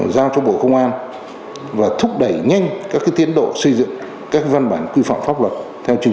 giao cho bộ công an và thúc đẩy nhanh các tiến độ xây dựng các văn bản quy phạm pháp luật theo chủ